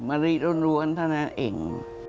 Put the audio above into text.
มารีร้วนเท่านั้นเอง